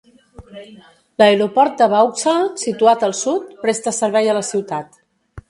L'aeroport de Vauxhall, situat al sud, presta servei a la ciutat.